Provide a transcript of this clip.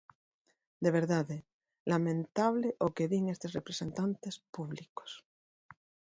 De verdade, ¡lamentable o que din estes representantes públicos!